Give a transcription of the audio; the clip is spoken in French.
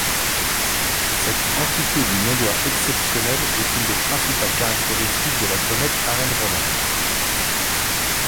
Cette anti-queue d'une longueur exceptionnelle est une des principales caractéristiques de la comète Arend-Roland.